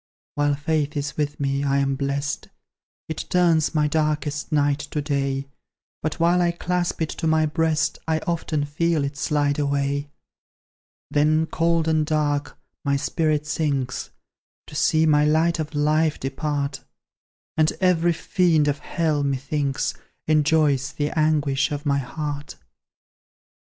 While Faith is with me, I am blest; It turns my darkest night to day; But while I clasp it to my breast, I often feel it slide away. Then, cold and dark, my spirit sinks, To see my light of life depart; And every fiend of Hell, methinks, Enjoys the anguish of my heart.